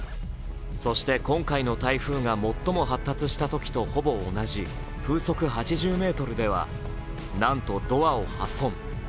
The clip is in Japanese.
そして今回の台風が最も発達したときとほぼ同じ風速８０メートルではなんとドアを破損。